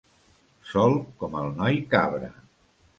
Sol com el noi cabra.